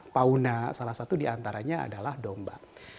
fauna salah satu diantaranya adalah domba